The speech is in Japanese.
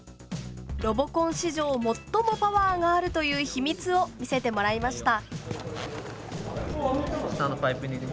ロボコン史上最もパワーがあるという秘密を見せてもらいました。